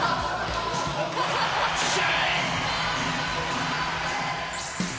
よっしゃ！